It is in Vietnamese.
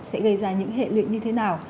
sẽ gây ra những hệ luyện như thế nào